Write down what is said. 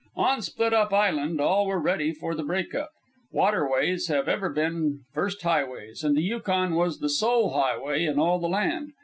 On Split up Island all were ready for the break up. Waterways have ever been first highways, and the Yukon was the sole highway in all the land.